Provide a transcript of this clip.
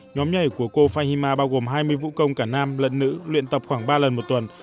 nhóm nhảy của cô fahima bao gồm hai mươi vũ công cả nam lẫn nữ luyện tập khoảng ba lần một tuần